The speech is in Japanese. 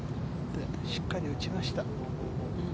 しっかり打ちました。